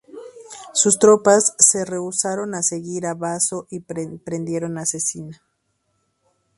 Sus tropas se rehusaron a seguir a Baso y prendieron a Cecina.